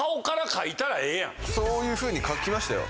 そういうふうに描きましたよ。